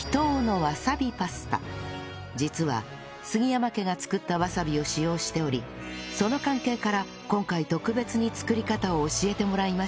実は杉山家が作ったわさびを使用しておりその関係から今回特別に作り方を教えてもらいました